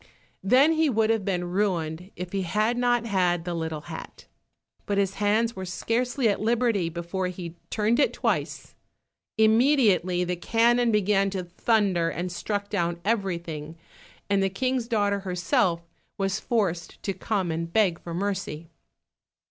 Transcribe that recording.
Then he would have been ruined if he had not had the little hat. But his hands were scarcely at liberty before he turned it twice. Immediately the cannon began to thunder, and struck down everything, and the King's daughter herself was forced to come and beg for mercy.